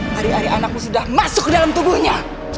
hari hari anakmu sudah masuk ke dalam tubuhnya